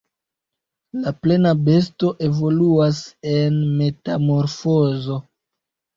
La plena besto evoluas en metamorfozo.